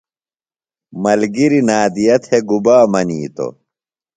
ملگِریۡ نادیہ تھےۡ گُبا منِیتوۡ؟